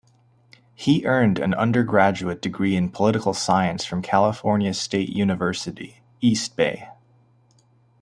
He earned an undergraduate degree in political science from California State University, East Bay.